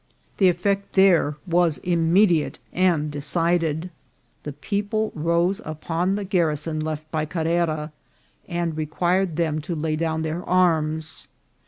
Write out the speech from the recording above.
The effect there was immediate and decided; the people rose upon the garrison left by Carrera, and required them to lay down their arms.